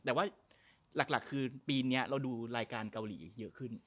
แต่ว่าหลักคือปีนี้เราดูรายการเกาหลีเยอะขึ้น